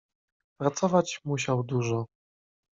"Pracować musiał dużo."